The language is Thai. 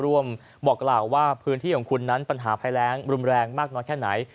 บอกกล่าวว่าพื้นที่ของคุณนั้นปัญหาภัยแรงรุนแรงมากน้อยแค่ไหน